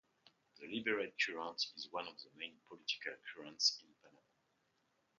The liberal current is one of the main political currents in Panama.